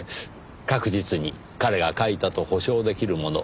確実に彼が書いたと保証出来るもの。